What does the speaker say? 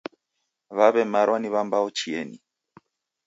W'aw'emarwa ni w'ambao chieni.